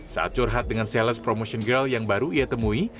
saat curhat dengan sales promotion girl yang baru ia temui